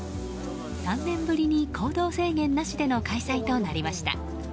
３年ぶりの行動制限なしの開催となりました。